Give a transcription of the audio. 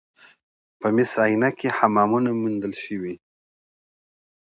په مس عینک کې حمامونه موندل شوي